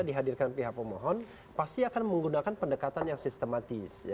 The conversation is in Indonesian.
dihadirkan pihak pemohon pasti akan menggunakan pendekatan yang sistematis